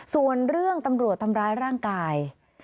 ส่วนเรื่องตำรวจทำร้ายร่างกาย